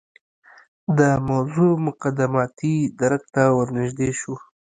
د موضوع مقدماتي درک ته ورنژدې شو.